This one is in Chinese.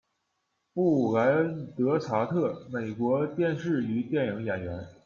布莱恩·德查特，美国电视与电影演员。